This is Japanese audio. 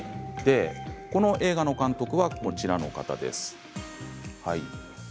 この映画の監督はこちらの女性です。